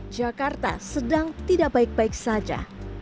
jakarta sedang tidak baik baik saja